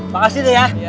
makasih dek ya